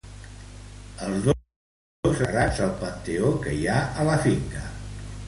Els dos estan enterrats al panteó que hi ha a la finca.